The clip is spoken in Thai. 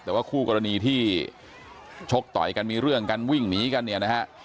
แต่ว่าคู่กรณีที่ชกต่อยกันมีเรื่องกันวิ่งหนีกันเนี่ยนะฮะ